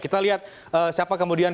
kita lihat siapa kemudian